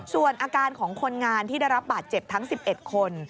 ส่วนอาการของคนงานที่ได้รับบาดเจ็บทั้ง๑๑คน